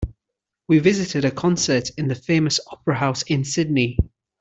We visited a concert in the famous opera house in Sydney.